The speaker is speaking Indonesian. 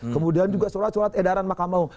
kemudian juga surat surat edaran makam maung